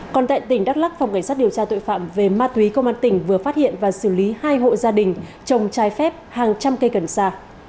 còn tại tỉnh đắk lắc phòng cảnh sát điều tra tội phạm về ma túy công an tỉnh vừa phát hiện và xử lý hai hộ gia đình trồng trái phép hàng trăm cây cần sa